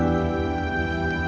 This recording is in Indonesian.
aku mau pergi